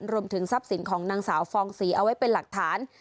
รวมถึงทรัพย์สินของนางสาวฟองศรีเอาไว้เป็นหลักฐาน